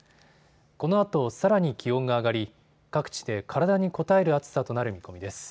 このあとさらに気温が上がり各地で体にこたえる暑さとなる見込みです。